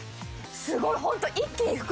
すごい！ホント。